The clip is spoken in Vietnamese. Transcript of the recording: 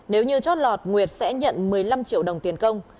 nếu như chót lọt nguyệt sẽ nhận một mươi năm triệu đồng tiền công